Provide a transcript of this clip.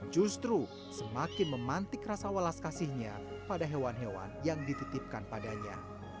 justru semakin memantik rasa walas kasihnya pada hewan hewan yang dititipkan padanya